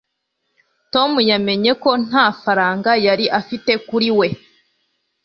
tom yamenye ko nta faranga yari afite kuri we